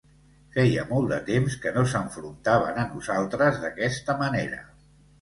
Feia molt de temps que no s’enfrontaven a nosaltres d’aquesta manera.